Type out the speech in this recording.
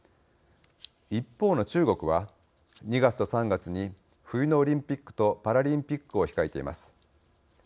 一方の中国は、２月と３月に冬のオリンピックとパラリンピックを控えています。